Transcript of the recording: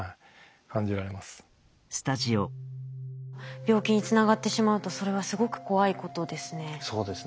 病気につながってしまうとそれはすごく怖いことですね。